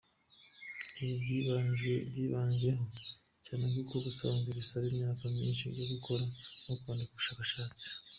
Ibi byibajijweho cyane kuko ubusanzwe bisaba imyaka myinshi yo gukora no kwandika ubushakashatsi.